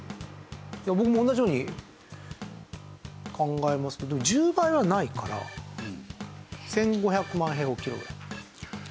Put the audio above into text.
いや僕も同じように考えますけど１０倍はないから１５００万平方キロぐらい。